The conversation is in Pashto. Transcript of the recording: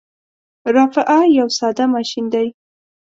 رافعه یو ساده ماشین دی.